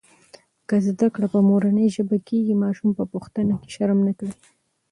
که زده کړه په مورنۍ ژبه کېږي، ماشوم په پوښتنه کې شرم نه کوي.